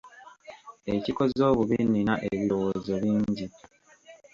Ekikoze obubi nina ebirowoozo bingi.